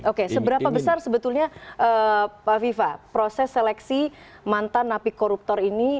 oke seberapa besar sebetulnya pak viva proses seleksi mantan napi koruptor ini